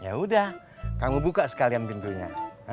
yaudah kamu buka sekalian pintunya